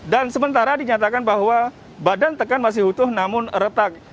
dan sementara dinyatakan bahwa badan tekan masih utuh namun retak